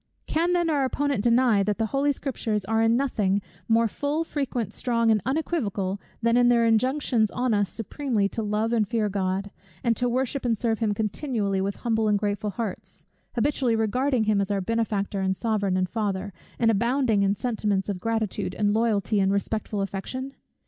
Can then our opponent deny, that the Holy Scriptures are in nothing more full, frequent, strong, and unequivocal, than in their injunctions on us supremely to love and fear God, and to worship and serve him continually with humble and grateful hearts; habitually regarding him as our Benefactor, and Sovereign, and Father, and abounding in sentiments of gratitude and loyalty, and respectful affection?